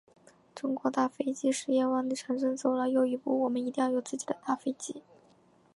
中国大飞机事业万里长征走了又一步，我们一定要有自己的大飞机。